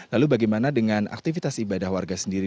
lalu bagaimana dengan aktivitas ibadah warga sendiri